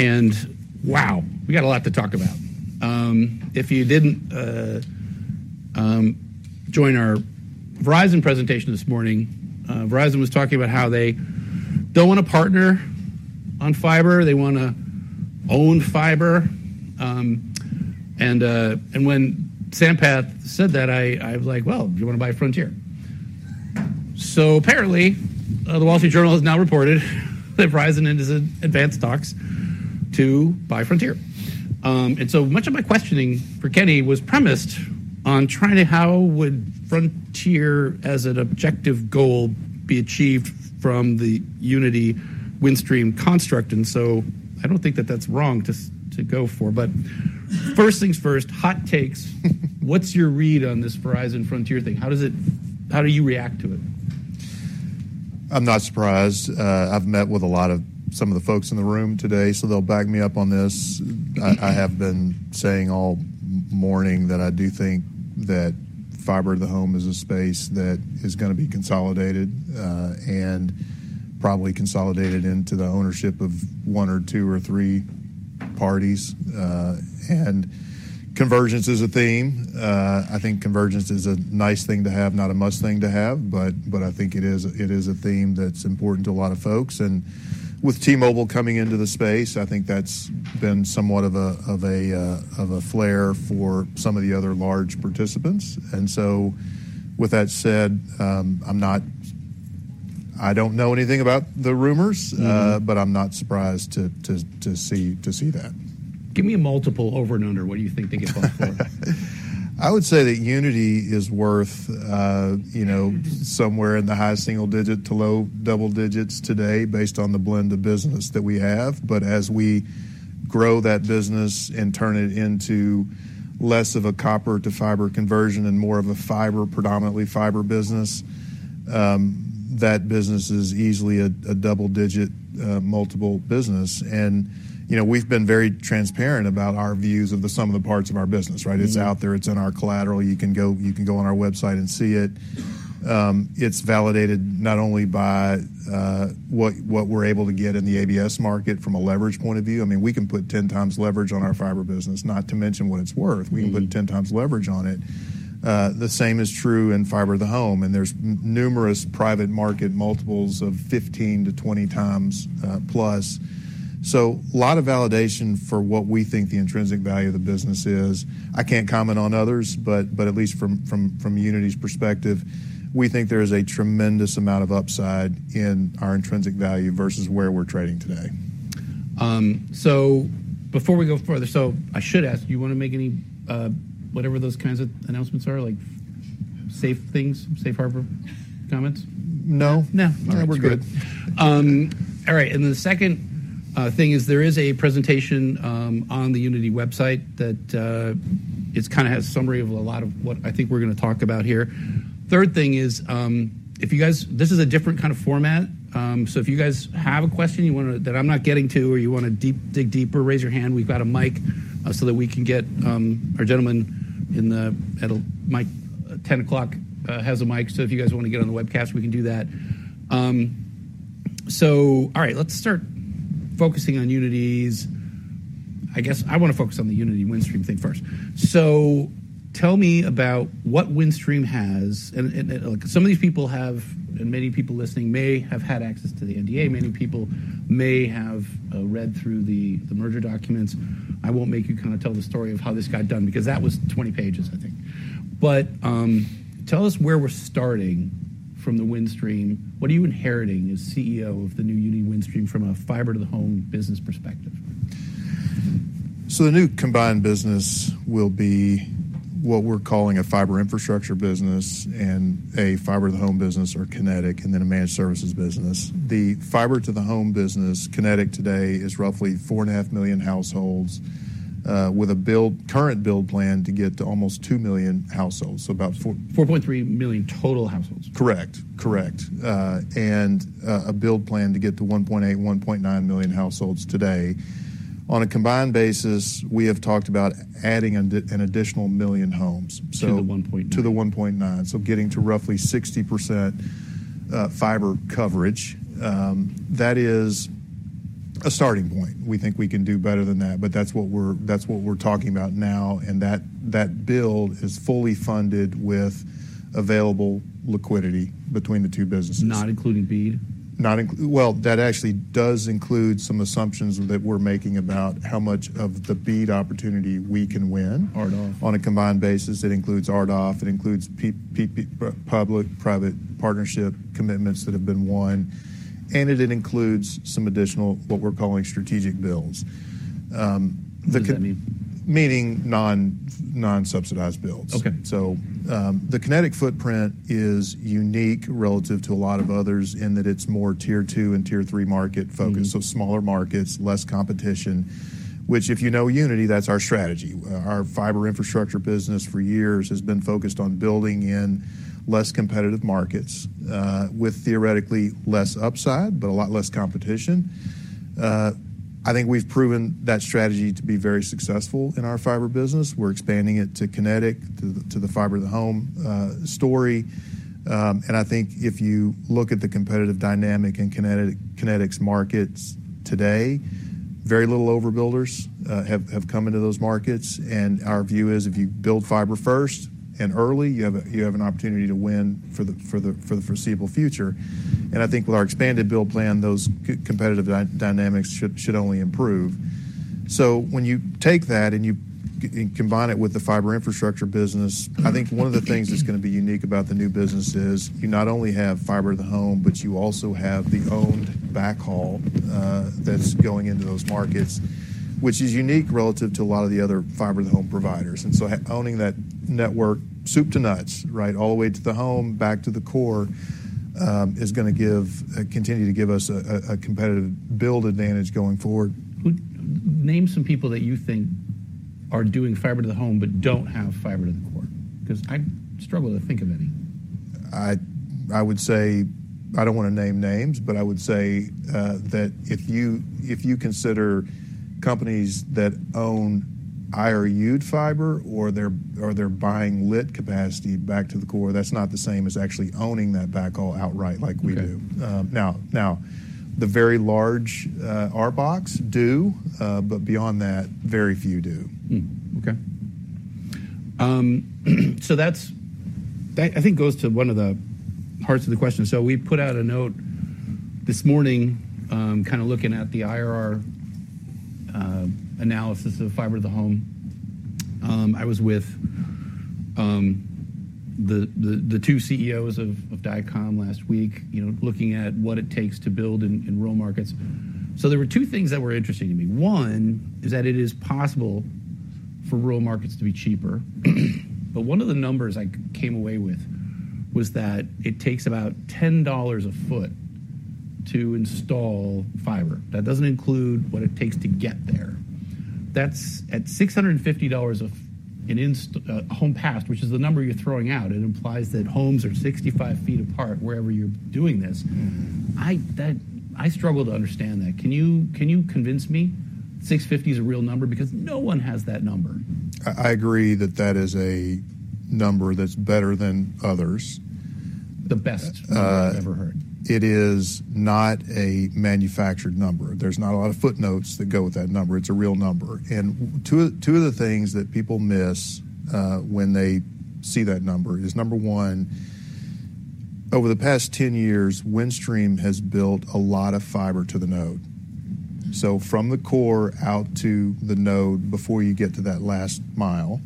And wow, we got a lot to talk about. If you didn't join our Verizon presentation this morning, Verizon was talking about how they don't want to partner on fiber, they wanna own fiber. And when Sampath said that, I was like, "Well, do you want to buy Frontier?" So apparently, the Wall Street Journal has now reported that Verizon is in advanced talks to buy Frontier. And so much of my questioning for Kenny was premised on trying to, how would Frontier, as an objective goal, be achieved from the Uniti Windstream construct? And so I don't think that that's wrong to go for. But first things first, hot takes. What's your read on this Verizon Frontier thing? How does it, how do you react to it? I'm not surprised. I've met with a lot of some of the folks in the room today, so they'll back me up on this. I have been saying all morning that I do think that fiber to the home is a space that is gonna be consolidated, and probably consolidated into the ownership of one or two or three parties, and convergence is a theme. I think convergence is a nice thing to have, not a must thing to have, but I think it is a theme that's important to a lot of folks, and with T-Mobile coming into the space, I think that's been somewhat of a flare for some of the other large participants. And so with that said, I'm not, I don't know anything about the rumors. Mm. But I'm not surprised to see that. Give me a multiple over and under. What do you think they get bought for? I would say that Uniti is worth, you know, somewhere in the high single digit to low double digits today, based on the blend of business that we have. But as we grow that business and turn it into less of a copper-to-fiber conversion and more of a fiber, predominantly fiber business, that business is easily a double-digit multiple business. And, you know, we've been very transparent about our views of the sum of the parts of our business, right? Mm. It's out there, it's in our collateral. You can go on our website and see it. It's validated not only by what we're able to get in the ABS market from a leverage point of view. I mean, we can put 10x leverage on our fiber business, not to mention what it's worth. Mm. We can put 10x leverage on it. The same is true in fiber-to-the-home, and there's numerous private market multiples of 15x-20x+. So a lot of validation for what we think the intrinsic value of the business is. I can't comment on others, but at least from Uniti's perspective, we think there is a tremendous amount of upside in our intrinsic value versus where we're trading today. So before we go further, so I should ask, do you want to make any, whatever those kinds of announcements are, like, safe things, safe harbor comments? No. No. All right, we're good. That's good. All right, and the second thing is, there is a presentation on the Uniti website that it's kinda has summary of a lot of what I think we're gonna talk about here. Third thing is, if you guys-- this is a different kind of format, so if you guys have a question, you wanna, that I'm not getting to, or you wanna deep, dig deeper, raise your hand. We've got a mic, so that we can get our gentleman in the at mic-- 10 o'clock has a mic. So if you guys want to get on the webcast, we can do that. So all right, let's start focusing on Uniti's. I guess I wanna focus on the Uniti-Windstream thing first. So tell me about what Windstream has. Like, some of these people have, and many people listening may have had access to the NDA. Many people may have read through the merger documents. I won't make you kind of tell the story of how this got done, because that was 20 pages, I think. Tell us where we're starting from Windstream. What are you inheriting as CEO of the new Uniti-Windstream from a fiber-to-the-home business perspective? So the new combined business will be what we're calling a fiber infrastructure business and a fiber-to-the-home business or Kinetic, and then a managed services business. The fiber-to-the-home business, Kinetic today, is roughly 4.5 million households, with a build, current build plan to get to almost 2 million households. So about 4- 4.3 million total households? Correct. And a build plan to get to 1.8 million, 1.9 million households today. On a combined basis, we have talked about adding an additional 1 million homes, so- To the 1.9. To the 1.9. So getting to roughly 60% fiber coverage. That is a starting point. We think we can do better than that, but that's what we're talking about now, and that build is fully funded with available liquidity between the two businesses. Not including BEAD? Well, that actually does include some assumptions that we're making about how much of the BEAD opportunity we can win. RDOF. On a combined basis, it includes RDOF, it includes public-private partnership commitments that have been won, and it includes some additional, what we're calling strategic builds. The ki- What does that mean? Meaning non-subsidized builds. Okay. The Kinetic footprint is unique relative to a lot of others, in that it's more tier two and tier three market focus. Mm-hmm. So smaller markets, less competition, which, if you know Uniti, that's our strategy. Our fiber infrastructure business for years has been focused on building in less competitive markets, with theoretically less upside, but a lot less competition. I think we've proven that strategy to be very successful in our fiber business. We're expanding it to Kinetic, to the fiber-to-the-home story. And I think if you look at the competitive dynamic in Kinetic, Kinetic's markets today, very little overbuilders have come into those markets, and our view is if you build fiber first and early, you have an opportunity to win for the foreseeable future. And I think with our expanded build plan, those competitive dynamics should only improve. So when you take that and you and combine it with the fiber infrastructure business, I think one of the things that's gonna be unique about the new business is you not only have fiber-to-the-home, but you also have the owned backhaul that's going into those markets, which is unique relative to a lot of the other fiber-to-the-home providers. And so owning that network, soup to nuts, right, all the way to the home, back to the core, is gonna continue to give us a competitive build advantage going forward. Name some people that you think are doing fiber-to-the-home but don't have fiber to the core, 'cause I struggle to think of any? I would say... I don't wanna name names, but I would say that if you consider companies that own IRU fiber or they're buying lit capacity back to the core, that's not the same as actually owning that backhaul outright like we do. Okay. Now, the very large RBOCs do, but beyond that, very few do. Mm-hmm. Okay. So that's, that I think goes to one of the parts of the question. So we put out a note this morning, kind of looking at the IRR analysis of fiber-to-the-home. I was with the two CEOs of Dycom last week, you know, looking at what it takes to build in rural markets. So there were two things that were interesting to me. One is that it is possible for rural markets to be cheaper. But one of the numbers I came away with was that it takes about $10 a ft to install fiber. That doesn't include what it takes to get there. That's at $650 a home pass, which is the number you're throwing out. It implies that homes are 65 ft apart wherever you're doing this. Mm-hmm. I struggle to understand that. Can you convince me $650 is a real number? Because no one has that number. I agree that that is a number that's better than others. The best number I've ever heard. It is not a manufactured number. There's not a lot of footnotes that go with that number. It's a real number. And two, two of the things that people miss, when they see that number is, number one, over the past 10 years, Windstream has built a lot of fiber-to-the-node. So from the core out to the node, before you get to that last mile,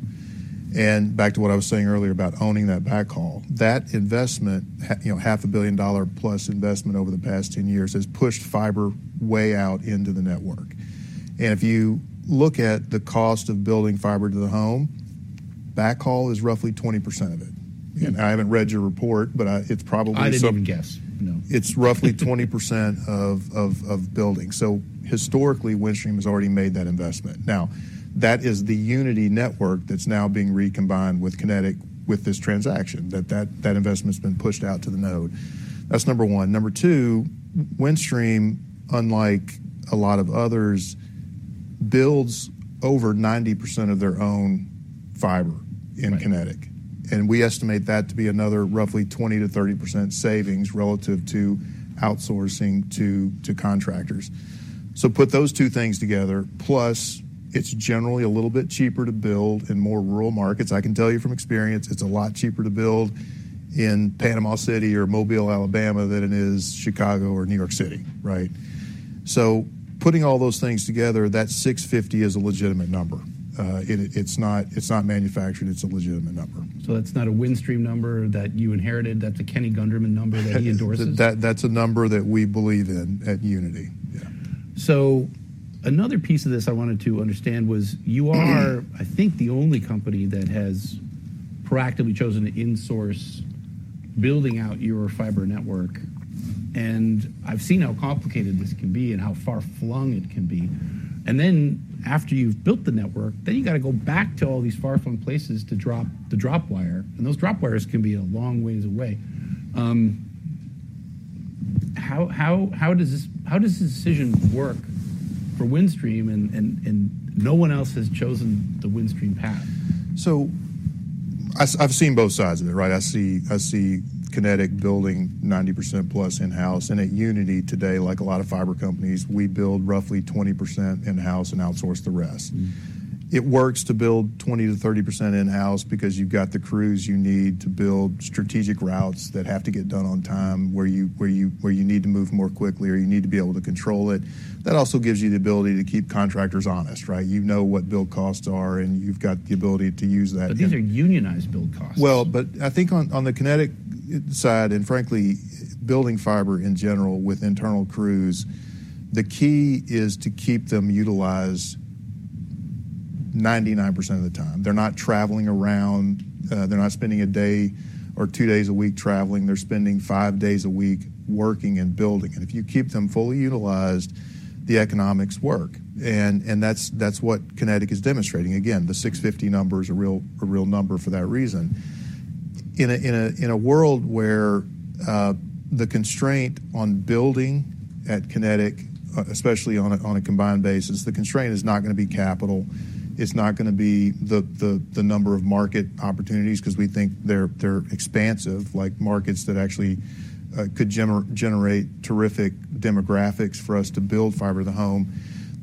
and back to what I was saying earlier about owning that backhaul, that investment, you know, $500 million+ investment over the past 10 years, has pushed fiber way out into the network. And if you look at the cost of building fiber-to-the-home, backhaul is roughly 20% of it. And I haven't read your report, but, it's probably- I didn't even guess. No. It's roughly 20% of building, so historically, Windstream has already made that investment. Now, that is the Uniti network that's now being recombined with Kinetic with this transaction, that investment's been pushed out to the node. That's number one. Number two, Windstream, unlike a lot of others, builds over 90% of their own fiber- Right... in Kinetic, and we estimate that to be another roughly 20%-30% savings relative to outsourcing to contractors. So put those two things together, plus, it's generally a little bit cheaper to build in more rural markets. I can tell you from experience, it's a lot cheaper to build in Panama City or Mobile, Alabama, than it is Chicago or New York City, right? So putting all those things together, that $650 is a legitimate number. It's not manufactured, it's a legitimate number. So that's not a Windstream number that you inherited, that's a Kenny Gunderman number that he endorses? That, that's a number that we believe in at Uniti, yeah. So another piece of this I wanted to understand was, you are, I think, the only company that has proactively chosen to insource building out your fiber network, and I've seen how complicated this can be and how far-flung it can be. And then, after you've built the network, then you gotta go back to all these far-flung places to drop the drop wire, and those drop wires can be a long ways away. How does this decision work for Windstream, and no one else has chosen the Windstream path? So I, I've seen both sides of it, right? I see Kinetic building 90%+ in-house, and at Uniti today, like a lot of fiber companies, we build roughly 20% in-house and outsource the rest. Mm-hmm. It works to build 20%-30% in-house because you've got the crews you need to build strategic routes that have to get done on time, where you need to move more quickly or you need to be able to control it. That also gives you the ability to keep contractors honest, right? You know what build costs are, and you've got the ability to use that- But these are unionized build costs. But I think on the Kinetic side, and frankly, building fiber in general with internal crews, the key is to keep them utilized 99% of the time. They're not traveling around, they're not spending a day or two days a week traveling. They're spending five days a week working and building, and if you keep them fully utilized, the economics work. And that's what Kinetic is demonstrating. Again, the $650 number is a real number for that reason. In a world where the constraint on building at Kinetic, especially on a combined basis, the constraint is not going to be capital. It's not going to be the number of market opportunities, because we think they're expansive, like markets that actually could generate terrific demographics for us to build fiber-to-the-home.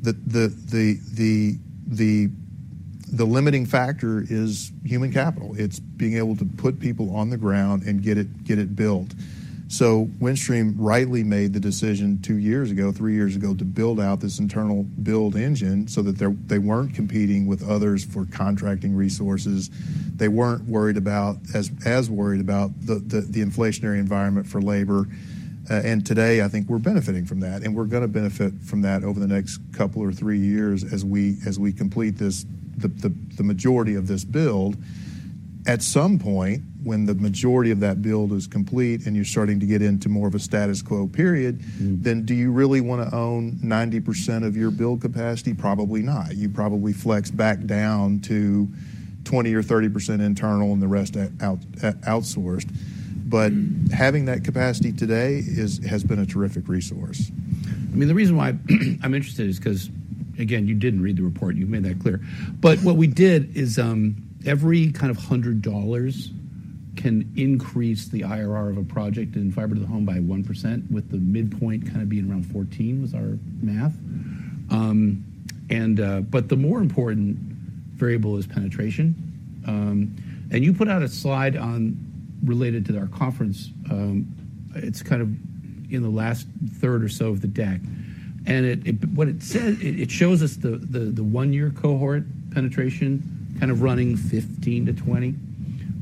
The limiting factor is human capital. It's being able to put people on the ground and get it built. So Windstream rightly made the decision two years ago, three years ago, to build out this internal build engine so that they weren't competing with others for contracting resources. They weren't worried about as worried about the inflationary environment for labor. And today, I think we're benefiting from that, and we're going to benefit from that over the next couple or three years as we complete the majority of this build. At some point, when the majority of that build is complete and you're starting to get into more of a status quo period. Mm. then do you really want to own 90% of your build capacity? Probably not. You probably flex back down to 20% or 30% internal and the rest outsourced. Mm. But having that capacity today has been a terrific resource. I mean, the reason why I'm interested is 'cause, again, you didn't read the report. You've made that clear. But what we did is, every $100 can increase the IRR of a project in fiber-to-the-home by 1%, with the midpoint kind of being around 14%, was our math. And but the more important variable is penetration. And you put out a slide on related to our conference. It's kind of in the last third or so of the deck, and What it says shows us the one-year cohort penetration kind of running 15%-20%,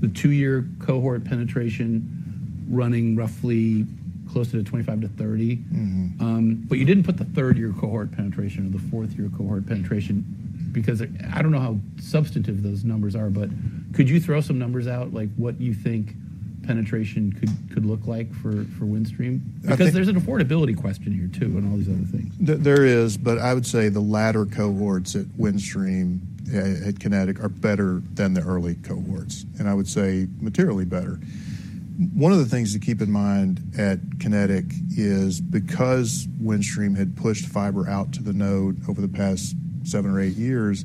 the two-year cohort penetration running roughly closer to 25%-30%. Mm-hmm. But you didn't put the third-year cohort penetration or the fourth-year cohort penetration, because I don't know how substantive those numbers are, but could you throw some numbers out, like, what you think penetration could look like for Windstream? I think- Because there's an affordability question here, too, and all these other things. There is, but I would say the latter cohorts at Windstream, at Kinetic are better than the early cohorts, and I would say materially better. One of the things to keep in mind at Kinetic is because Windstream had pushed fiber out to the node over the past seven or eight years,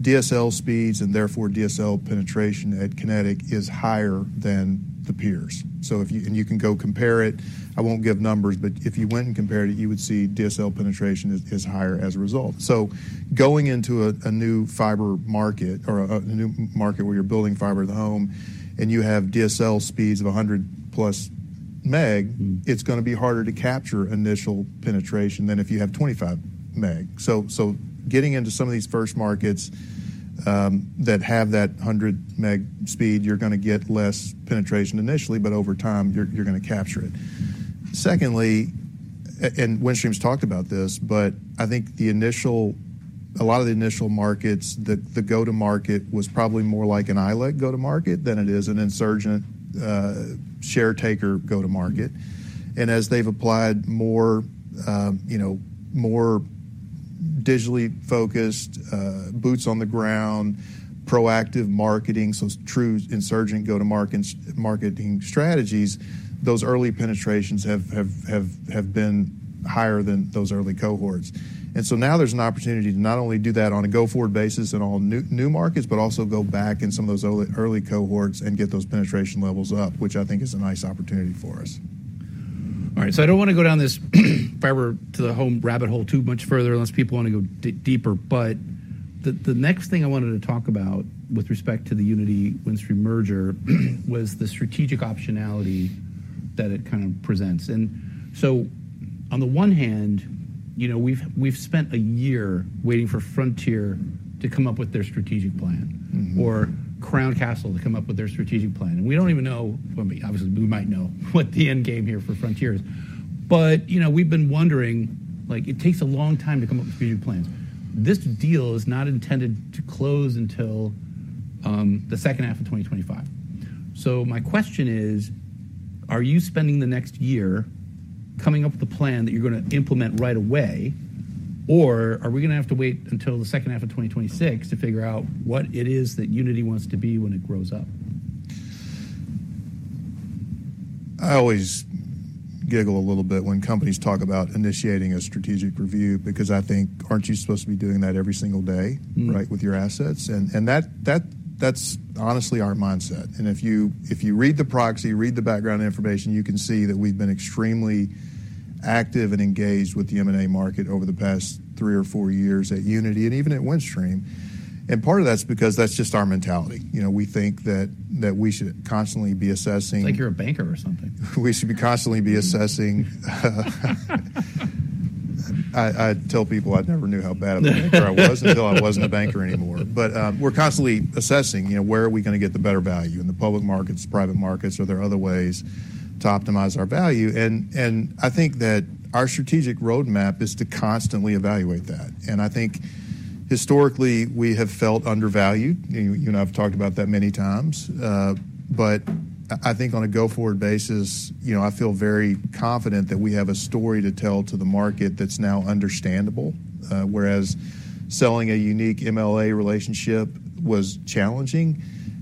DSL speeds, and therefore DSL penetration at Kinetic is higher than the peers. So if you and you can go compare it. I won't give numbers, but if you went and compared it, you would see DSL penetration is higher as a result. So going into a new fiber market or a new market where you're building fiber-to-the-home, and you have DSL speeds of 100+ meg- Mm. It's going to be harder to capture initial penetration than if you have 25 meg. So getting into some of these first markets that have that 100 meg speed, you're going to get less penetration initially, but over time, you're going to capture it. Secondly, and Windstream's talked about this, but I think the initial a lot of the initial markets, the go-to-market was probably more like an ILEC go-to-market than it is an insurgent share taker go-to-market. And as they've applied more, you know, more digitally focused boots on the ground, proactive marketing, so true insurgent go-to-market marketing strategies, those early penetrations have been higher than those early cohorts. And so now there's an opportunity to not only do that on a go-forward basis in all new markets, but also go back in some of those early cohorts and get those penetration levels up, which I think is a nice opportunity for us. All right, so I don't want to go down this fiber-to-the-home rabbit hole too much further, unless people want to go deeper. But the next thing I wanted to talk about with respect to the Uniti-Windstream merger was the strategic optionality that it kind of presents. On the one hand, you know, we've spent a year waiting for Frontier to come up with their strategic plan- Mm-hmm. or Crown Castle to come up with their strategic plan, and we don't even know, well, obviously, we might know what the end game here for Frontier is. But, you know, we've been wondering, like, it takes a long time to come up with strategic plans. This deal is not intended to close until the second half of 2025. So my question is, are you spending the next year coming up with a plan that you're going to implement right away, or are we going to have to wait until the second half of 2026 to figure out what it is that Uniti wants to be when it grows up? I always giggle a little bit when companies talk about initiating a strategic review because I think, Aren't you supposed to be doing that every single day- Mm... right, with your assets? And that that's honestly our mindset, and if you read the proxy, read the background information, you can see that we've been extremely active and engaged with the M&A market over the past three or four years at Uniti and even at Windstream. And part of that's because that's just our mentality. You know, we think that we should constantly be assessing- I think you're a banker or something. We should be constantly assessing. I tell people I never knew how bad of a banker I was until I wasn't a banker anymore, but we're constantly assessing, you know, where are we going to get the better value, in the public markets, private markets? Are there other ways to optimize our value? I think that our strategic roadmap is to constantly evaluate that. I think historically, we have felt undervalued. You and I have talked about that many times, but I think on a go-forward basis, you know, I feel very confident that we have a story to tell to the market that's now understandable, whereas selling a unique MLA relationship was challenging,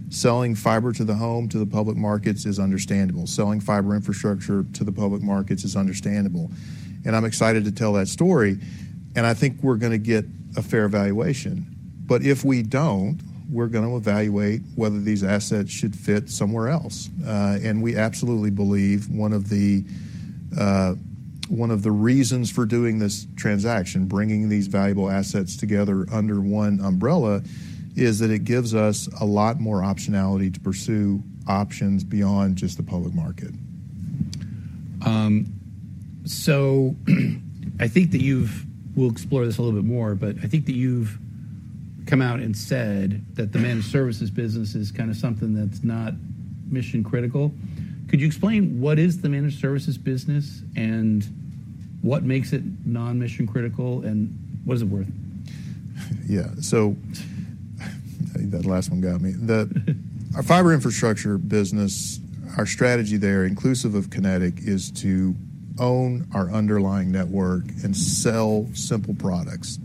selling fiber-to-the-home to the public markets is understandable. Selling fiber infrastructure to the public markets is understandable, and I'm excited to tell that story, and I think we're gonna get a fair valuation, but if we don't, we're gonna evaluate whether these assets should fit somewhere else, and we absolutely believe one of the reasons for doing this transaction, bringing these valuable assets together under one umbrella, is that it gives us a lot more optionality to pursue options beyond just the public market. So I think that we'll explore this a little bit more, but I think that you've come out and said that the managed services business is kind of something that's not mission-critical. Could you explain what is the managed services business, and what makes it non-mission-critical, and what is it worth? Yeah, so I think that last one got me. Our fiber infrastructure business, our strategy there, inclusive of Kinetic, is to own our underlying network and sell simple products: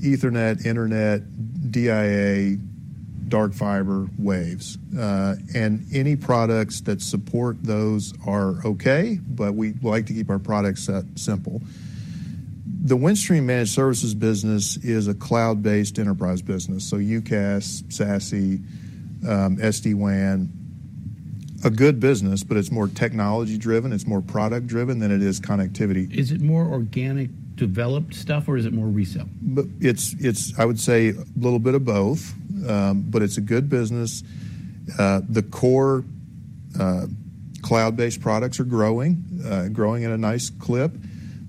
Ethernet, Internet, DIA, dark fiber, waves. And any products that support those are okay, but we like to keep our product set simple. The Windstream managed services business is a cloud-based enterprise business, so UCaaS, SASE, SD-WAN. A good business, but it's more technology-driven, it's more product-driven than it is connectivity. Is it more organic-developed stuff, or is it more resale? But it's a little bit of both, but it's a good business. The core cloud-based products are growing, growing at a nice clip.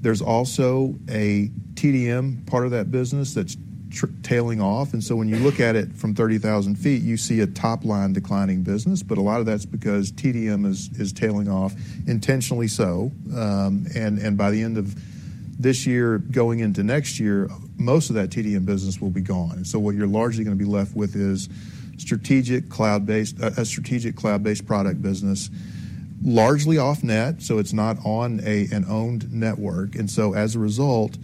There's also a TDM part of that business that's tailing off, and so when you look at it from 30,000 feet, you see a top-line declining business, but a lot of that's because TDM is tailing off, intentionally so. And by the end of this year, going into next year, most of that TDM business will be gone. So what you're largely gonna be left with is strategic cloud-based, a strategic cloud-based product business, largely off net, so it's not on an owned network. And so, as a result,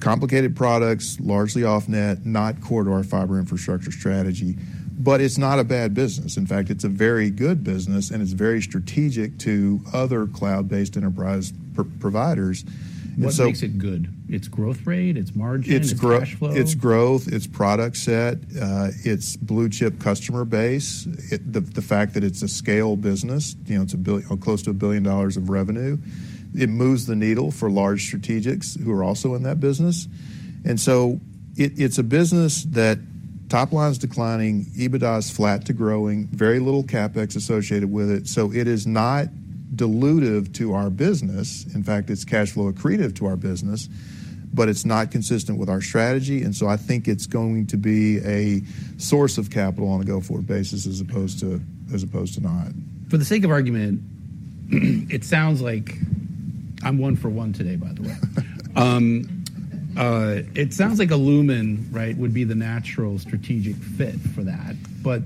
complicated products, largely off net, not core to our fiber infrastructure strategy, but it's not a bad business. In fact, it's a very good business, and it's very strategic to other cloud-based enterprise providers. And so- What makes it good? Its growth rate, its margin, its cash flow? Its growth, its product set, its blue-chip customer base, the fact that it's a scale business, you know, it's close to $1 billion of revenue. It moves the needle for large strategics who are also in that business. And so it, it's a business that top line's declining, EBITDA is flat to growing, very little CapEx associated with it, so it is not dilutive to our business. In fact, it's cash flow accretive to our business, but it's not consistent with our strategy, and so I think it's going to be a source of capital on a go-forward basis, as opposed to not. For the sake of argument, it sounds like I'm one for one today, by the way. It sounds like Lumen, right, would be the natural strategic fit for that, but,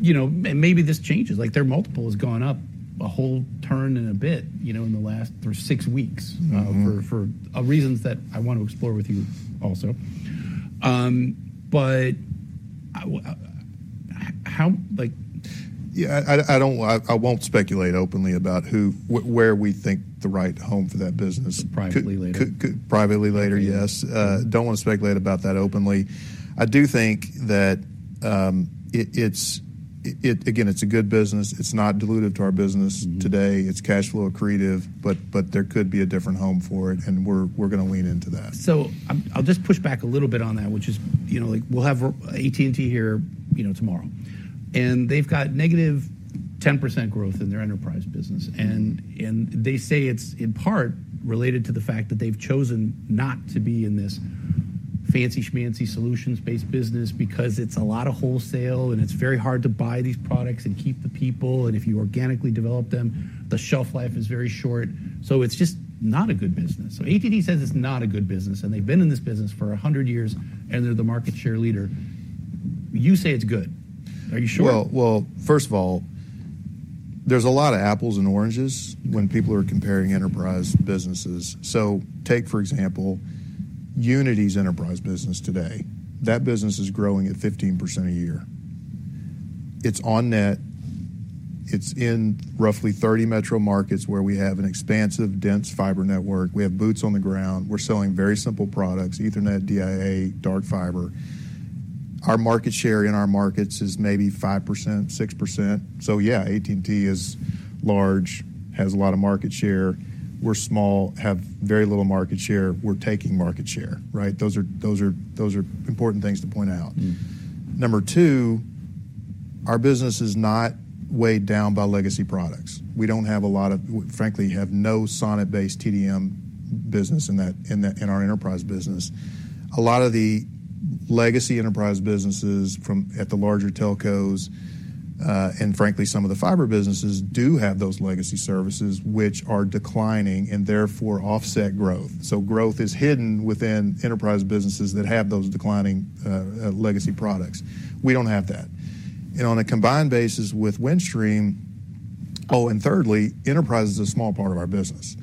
you know, and maybe this changes, like, their multiple has gone up a whole turn and a bit, you know, in the last six weeks. Mm-hmm... for reasons that I want to explore with you also. But how, like- Yeah, I won't speculate openly about who, where we think the right home for that business- Privately later. Could privately later, yes. Yeah. Don't wanna speculate about that openly. I do think that, again, it's a good business. It's not dilutive to our business today. Mm-hmm. It's cash flow accretive, but there could be a different home for it, and we're gonna lean into that. I'll just push back a little bit on that, which is, you know, like, we'll have AT&T here, you know, tomorrow, and they've got -10% growth in their enterprise business. Mm-hmm. They say it's in part related to the fact that they've chosen not to be in this fancy schmancy solutions-based business because it's a lot of wholesale, and it's very hard to buy these products and keep the people, and if you organically develop them, the shelf life is very short. So it's just not a good business. So AT&T says it's not a good business, and they've been in this business for a 100 years, and they're the market share leader. You say it's good. Are you sure? Well, well, first of all, there's a lot of apples and oranges- Mm... when people are comparing enterprise businesses. So take, for example, Uniti's enterprise business today. That business is growing at 15% a year. It's on net. It's in roughly 30 metro markets where we have an expansive, dense fiber network. We have boots on the ground. We're selling very simple products: Ethernet, DIA, dark fiber. Our market share in our markets is maybe 5%, 6%. So yeah, AT&T is large, has a lot of market share. We're small, have very little market share. We're taking market share, right? Those are important things to point out. Mm. Number two, our business is not weighed down by legacy products. We don't have a lot of, frankly, have no SONET-based TDM business in our enterprise business. A lot of legacy enterprise businesses from the larger telcos, and frankly, some of the fiber businesses do have those legacy services, which are declining and therefore offset growth. So growth is hidden within enterprise businesses that have those declining legacy products. We don't have that. And on a combined basis with Windstream. Oh, and thirdly, enterprise is a small part of our business.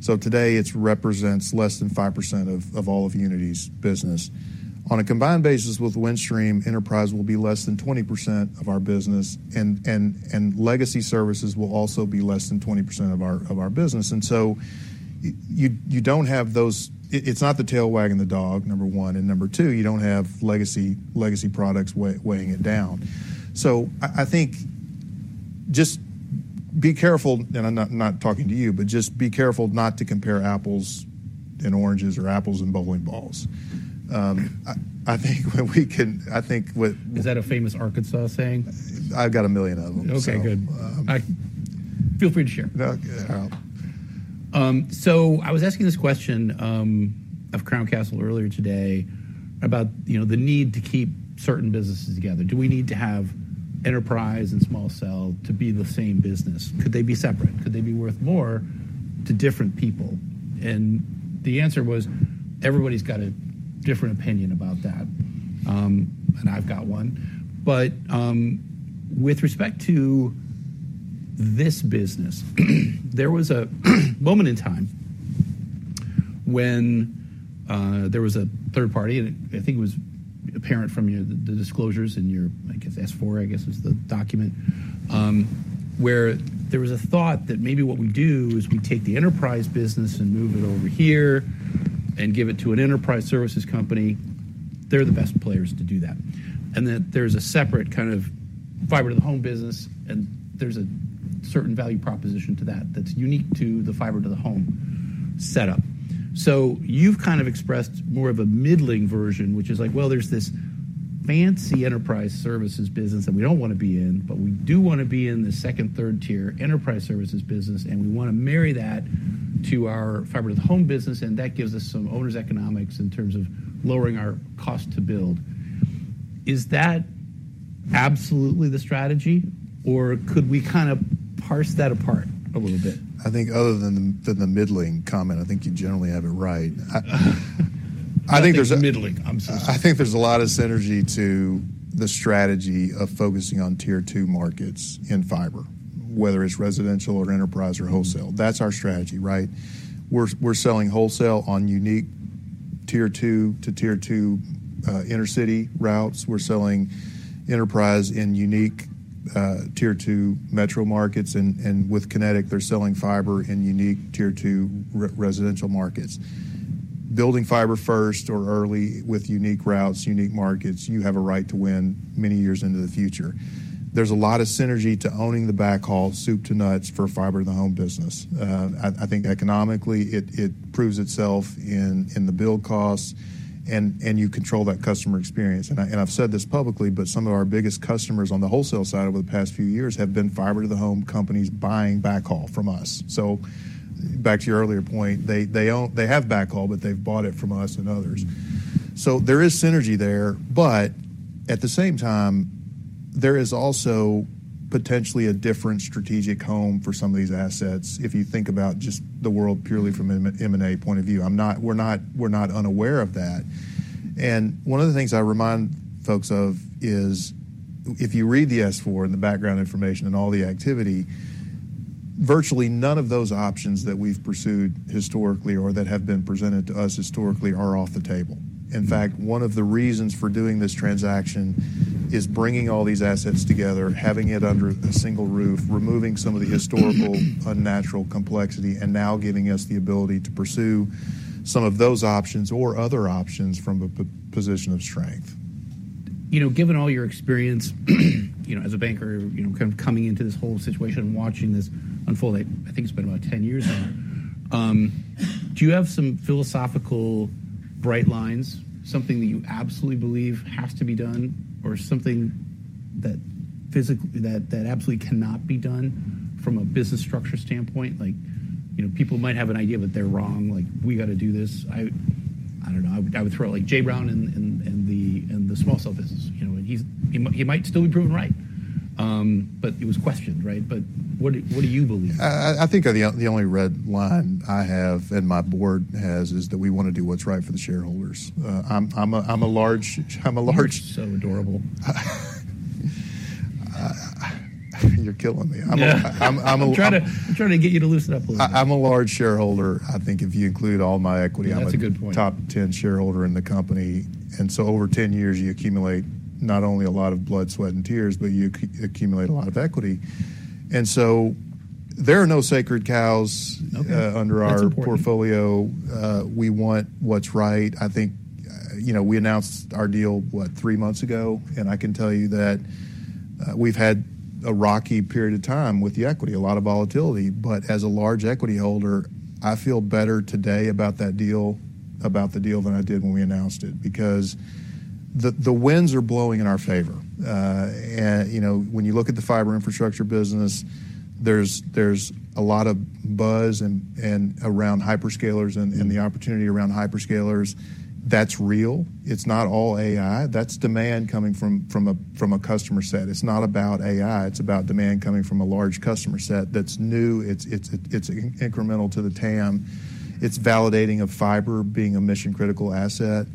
So today, it represents less than 5% of all of Uniti's business. On a combined basis with Windstream, enterprise will be less than 20% of our business, and legacy services will also be less than 20% of our business. You don't have those. It's not the tail wagging the dog, number one, and number two, you don't have legacy products weighing it down. I think just be careful, and I'm not talking to you, but just be careful not to compare apples and oranges or apples and bowling balls. I think we can. I think what- Is that a famous Arkansas saying? I've got a million of them, so. Okay, good. Um- Feel free to share. No. Uh. So I was asking this question of Crown Castle earlier today about, you know, the need to keep certain businesses together. Do we need to have enterprise and small cell to be the same business? Could they be separate? Could they be worth more to different people? And the answer was, everybody's got a different opinion about that. And I've got one. But with respect to this business, there was a moment in time when there was a third party, and I think it was apparent from your disclosures in your, I guess, S-4, I guess, is the document, where there was a thought that maybe what we do is we take the enterprise business and move it over here and give it to an enterprise services company. They're the best players to do that. That there's a separate kind of fiber-to-the-home business, and there's a certain value proposition to that that's unique to the fiber-to-the-home setup. So you've kind of expressed more of a middling version, which is like, well, there's this fancy enterprise services business that we don't want to be in, but we do want to be in the second, third tier enterprise services business, and we want to marry that to our fiber-to-the-home business, and that gives us some owners' economics in terms of lowering our cost to build. Is that absolutely the strategy, or could we kind of parse that apart a little bit? I think other than the middling comment, I think you generally have it right. I think there's- Middling, I'm so sorry. I think there's a lot of synergy to the strategy of focusing on tier two markets in fiber, whether it's residential or enterprise or wholesale. That's our strategy, right? We're selling wholesale on unique tier two to tier two inner-city routes. We're selling enterprise in unique tier two metro markets, and with Kinetic, they're selling fiber in unique tier two residential markets. Building fiber first or early with unique routes, unique markets, you have a right to win many years into the future. There's a lot of synergy to owning the backhaul, soup to nuts, for fiber-to-the-home business. I think economically, it proves itself in the build costs, and you control that customer experience. And I, and I've said this publicly, but some of our biggest customers on the wholesale side over the past few years have been fiber-to-the-home companies buying backhaul from us. So back to your earlier point, they own, they have backhaul, but they've bought it from us and others. So there is synergy there, but at the same time, there is also potentially a different strategic home for some of these assets, if you think about just the world purely from an M&A point of view. I'm not, we're not, we're not unaware of that. And one of the things I remind folks of is, if you read the S-4 and the background information and all the activity, virtually none of those options that we've pursued historically or that have been presented to us historically are off the table. In fact, one of the reasons for doing this transaction is bringing all these assets together, having it under a single roof, removing some of the historically unnatural complexity, and now giving us the ability to pursue some of those options or other options from a position of strength. You know, given all your experience, you know, as a banker, you know, kind of coming into this whole situation and watching this unfold, I think it's been about 10 years now. Do you have some philosophical bright lines, something that you absolutely believe has to be done or something that absolutely cannot be done from a business structure standpoint? Like, you know, people might have an idea, but they're wrong, like, we got to do this. I don't know. I would throw, like, Jay Brown in the small cell business. You know, he might still be proven right, but it was questioned, right? But what do you believe? I think the only red line I have and my board has is that we want to do what's right for the shareholders. I'm a large- So adorable. You're killing me. Yeah. I'm a- I'm trying to get you to loosen up a little bit. I'm a large shareholder. I think if you include all my equity- That's a good point.... I'm a top 10 shareholder in the company, and so over 10 years, you accumulate not only a lot of blood, sweat, and tears, but you accumulate a lot of equity, and so there are no sacred cows. Okay. under our That's important... portfolio. We want what's right. I think, you know, we announced our deal, what? Three months ago, and I can tell you that we've had a rocky period of time with the equity, a lot of volatility, but as a large equity holder, I feel better today about that deal, about the deal than I did when we announced it, because the winds are blowing in our favor. And, you know, when you look at the fiber infrastructure business, there's a lot of buzz and around hyperscalers and the opportunity around hyperscalers. That's real. It's not all AI. That's demand coming from a customer set. It's not about AI, it's about demand coming from a large customer set that's new, it's incremental to the TAM. It's validating of fiber being a mission-critical asset.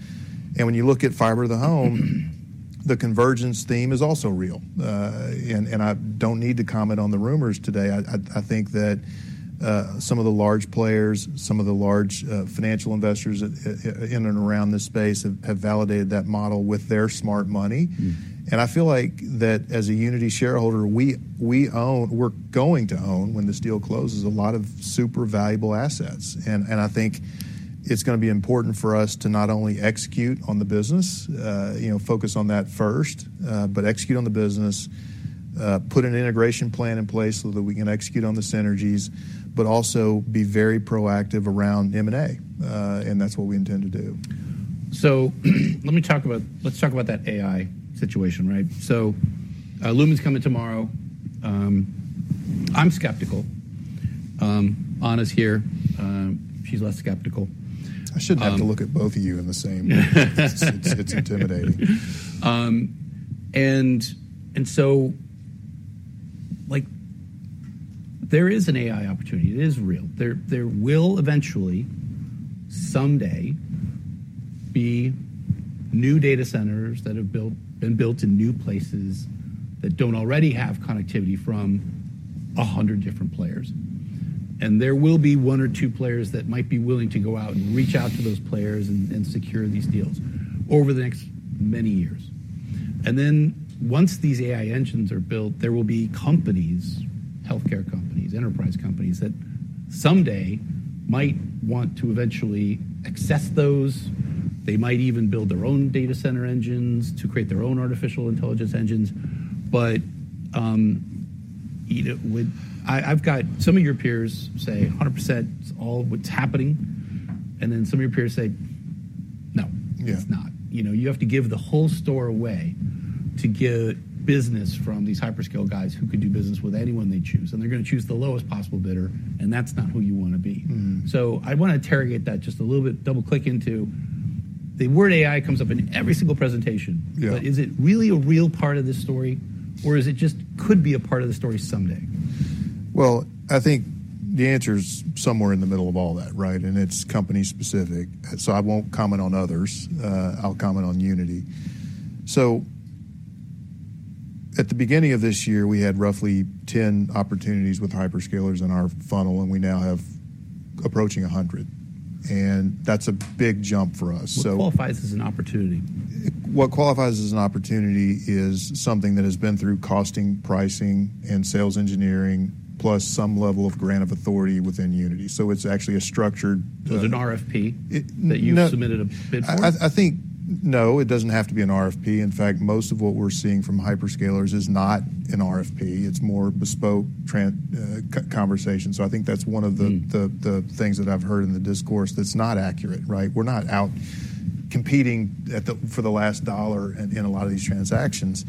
And when you look at fiber-to-the-home, the convergence theme is also real. And I don't need to comment on the rumors today. I think that some of the large players, some of the large financial investors in and around this space have validated that model with their smart money. Mm. And I feel like that as an Uniti shareholder, we’re going to own, when this deal closes, a lot of super valuable assets. And I think it’s gonna be important for us to not only execute on the business, you know, focus on that first, but execute on the business, put an integration plan in place so that we can execute on the synergies, but also be very proactive around M&A, and that’s what we intend to do. Let's talk about that AI situation, right? Lumen's coming tomorrow. I'm skeptical. Anna's here. She's less skeptical. I shouldn't have to look at both of you in the same room. It's, it's intimidating. And so, like, there is an AI opportunity. It is real. There will eventually, someday, be new data centers that have been built in new places that don't already have connectivity from 100 different players, and there will be one or two players that might be willing to go out and reach out to those players and secure these deals over the next many years. And then, once these AI engines are built, there will be companies, healthcare companies, enterprise companies, that someday might want to eventually access those. They might even build their own data center engines to create their own artificial intelligence engines. But you know, I've got some of your peers say, "100%, it's all what's happening," and then some of your peers say, "No, it's not. Yeah. You know, you have to give the whole store away- Mm-hmm... to get business from these hyperscale guys who can do business with anyone they choose, and they're gonna choose the lowest possible bidder, and that's not who you wanna be. Mm-hmm. So I want to interrogate that just a little bit. Double-click into... The word AI comes up in every single presentation. Yeah. But is it really a real part of this story, or is it just could be a part of the story someday? I think the answer is somewhere in the middle of all that, right? It's company specific, so I won't comment on others. I'll comment on Uniti. At the beginning of this year, we had roughly 10 opportunities with hyperscalers in our funnel, and we now have approaching 100, and that's a big jump for us, so- What qualifies as an opportunity? What qualifies as an opportunity is something that has been through costing, pricing, and sales engineering, plus some level of grant of authority within Uniti, so it's actually a structured- So an RFP- No -that you've submitted a bid for? I think, no, it doesn't have to be an RFP. In fact, most of what we're seeing from hyperscalers is not an RFP. It's more bespoke transactional conversation. So I think that's one of the- Mm... the things that I've heard in the discourse that's not accurate, right? We're not out competing for the last dollar in a lot of these transactions.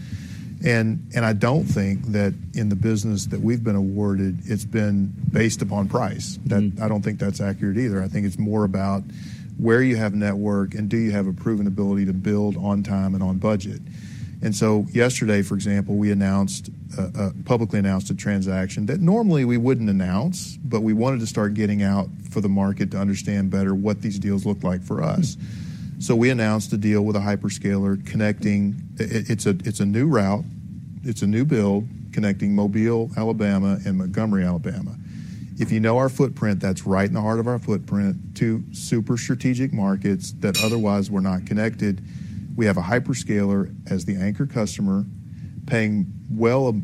And I don't think that in the business that we've been awarded, it's been based upon price. Mm. That, I don't think that's accurate either. I think it's more about where you have network and do you have a proven ability to build on time and on budget. And so yesterday, for example, we publicly announced a transaction that normally we wouldn't announce, but we wanted to start getting out for the market to understand better what these deals look like for us. Mm. So we announced a deal with a hyperscaler connecting. It's a new route, it's a new build, connecting Mobile, Alabama, and Montgomery, Alabama. If you know our footprint, that's right in the heart of our footprint, two super strategic markets that otherwise were not connected. We have a hyperscaler as the anchor customer, paying well,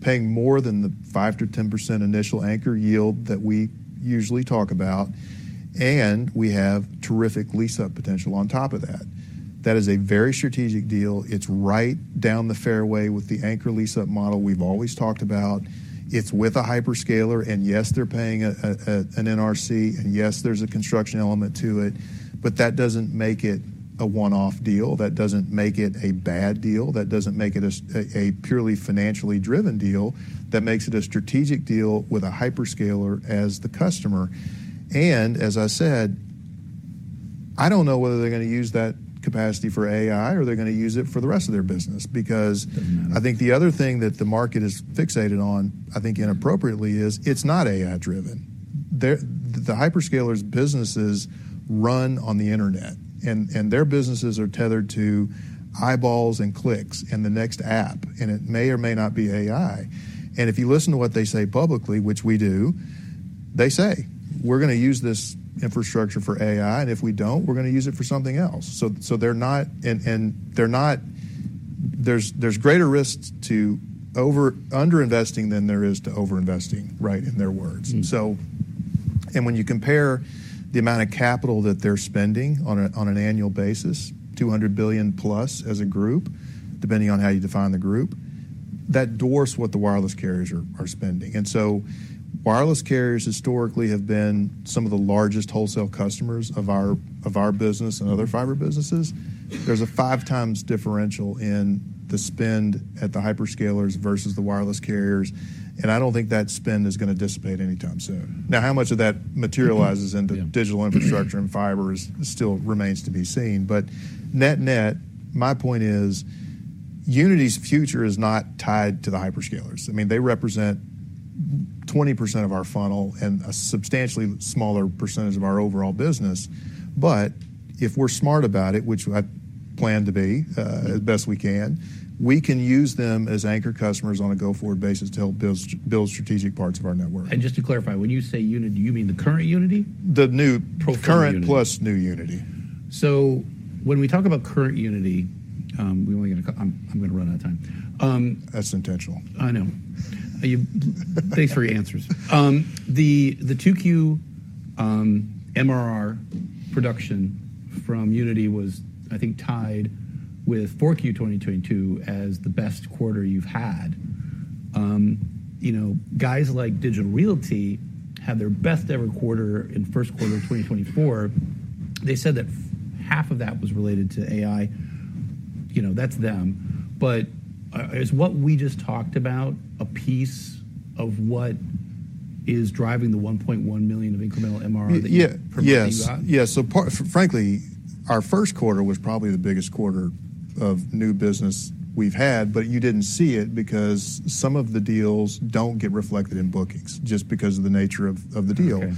paying more than the 5%-10% initial anchor yield that we usually talk about, and we have terrific lease-up potential on top of that. That is a very strategic deal. It's right down the fairway with the anchor lease-up model we've always talked about. It's with a hyperscaler, and yes, they're paying an NRC, and yes, there's a construction element to it, but that doesn't make it a one-off deal. That doesn't make it a bad deal. That doesn't make it a purely financially driven deal. That makes it a strategic deal with a hyperscaler as the customer. And as I said, I don't know whether they're gonna use that capacity for AI or they're gonna use it for the rest of their business. Because- Mm... I think the other thing that the market is fixated on, I think inappropriately, is it's not AI driven. Their hyperscalers' businesses run on the Internet, and their businesses are tethered to eyeballs and clicks in the next app, and it may or may not be AI. And if you listen to what they say publicly, which we do, they say, "We're gonna use this infrastructure for AI, and if we don't, we're gonna use it for something else." So they're not... And they're not. There's greater risks to underinvesting than there is to overinvesting, right? In their words. Mm. So, and when you compare the amount of capital that they're spending on an annual basis, $200 billion+ as a group, depending on how you define the group, that dwarfs what the wireless carriers are spending. And so wireless carriers historically have been some of the largest wholesale customers of our business and other fiber businesses. There's a 5x differential in the spend at the hyperscalers versus the wireless carriers, and I don't think that spend is gonna dissipate anytime soon. Now, how much of that materializes into digital infrastructure and fiber still remains to be seen. But net net, my point is, Uniti's future is not tied to the hyperscalers. I mean, they represent 20% of our funnel and a substantially smaller percentage of our overall business. But if we're smart about it, which I plan to be, as best we can, we can use them as anchor customers on a go-forward basis to help build strategic parts of our network. Just to clarify, when you say Uniti, do you mean the current Uniti? The new, current- Proforma Uniti... plus new Uniti. So when we talk about current Uniti, we only got. I'm gonna run out of time. That's intentional. I know. You, thanks for your answers. The 2Q MRR production from Uniti was, I think, tied with 4Q 2022 as the best quarter you've had. You know, guys like Digital Realty had their best ever quarter in first quarter of 2024. They said that half of that was related to AI. You know, that's them. But, is what we just talked about a piece of what is driving the $1.1 million of incremental MRR that you- Yeah, yes. You gotten? Yes. So frankly, our first quarter was probably the biggest quarter of new business we've had, but you didn't see it because some of the deals don't get reflected in bookings, just because of the nature of the deal. Okay.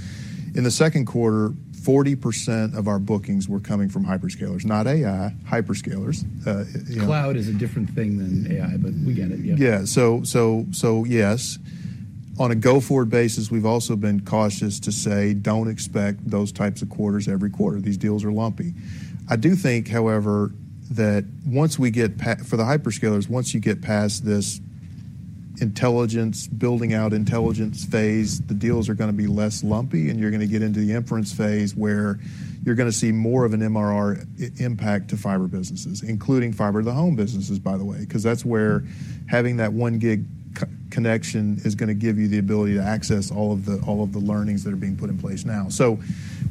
In the second quarter, 40% of our bookings were coming from hyperscalers. Not AI, hyperscalers, you know- Cloud is a different thing than AI, but we get it, yeah. Yeah. So, yes, on a go-forward basis, we've also been cautious to say, "Don't expect those types of quarters every quarter. These deals are lumpy." I do think, however, that once you get past this intelligence, building out intelligence phase for the hyperscalers, the deals are gonna be less lumpy, and you're gonna get into the inference phase, where you're gonna see more of an MRR impact to fiber businesses, including fiber-to-home businesses, by the way, 'cause that's where having that 1 Gb connection is gonna give you the ability to access all of the learnings that are being put in place now. So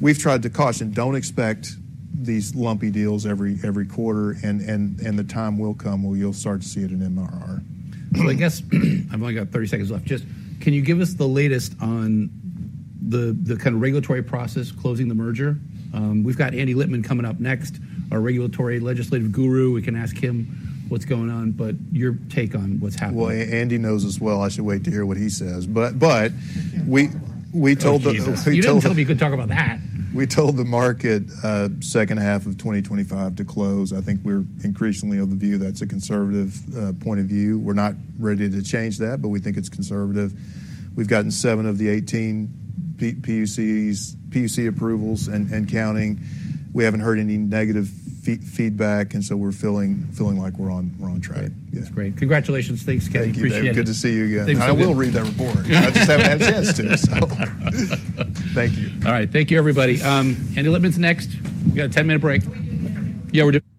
we've tried to caution, don't expect these lumpy deals every quarter, and the time will come where you'll start to see it in MRR. I guess, I've only got 30 seconds left. Just can you give us the latest on the kind of regulatory process closing the merger? We've got Andy Litman coming up next, our regulatory legislative guru. We can ask him what's going on, but your take on what's happening. Well, Andy knows as well. I should wait to hear what he says. But we told the Oh, Jesus. We told him- You didn't tell him you could talk about that. We told the market second half of 2025 to close. I think we're increasingly of the view that's a conservative point of view. We're not ready to change that, but we think it's conservative. We've gotten seven of the 18 PUCs, PUC approvals and counting. We haven't heard any negative feedback, and so we're feeling like we're on track. Yeah, that's great. Congratulations. Thanks, Kenny. Thank you. Appreciate it. Good to see you again. Thanks. I will read that report. I just haven't had a chance to, so. Thank you. All right. Thank you, everybody. Andy Litman is next. We got a 10-minute break. Yeah, we're doing-